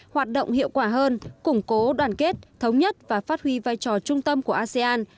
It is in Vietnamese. hoạt động hiệu quả hơn củng cố đoàn kết thống nhất và phát huy vai trò trung tâm của asean